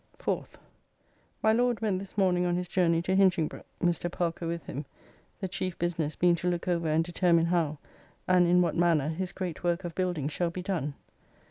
4th. My Lord went this morning on his journey to Hinchingbroke, Mr. Parker with him; the chief business being to look over and determine how, and in what manner, his great work of building shall be done.